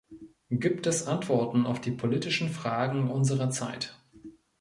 Gibt es Antworten auf die politischen Fragen unserer Zeit?